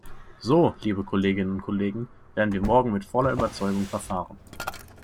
So, liebe Kolleginnen und Kollegen, werden wir morgen mit voller Überzeugung verfahren.